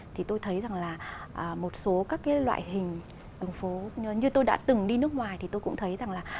thì tôi thấy rằng là một số các cái loại hình đường phố như tôi đã từng đi nước ngoài thì tôi cũng thấy rằng là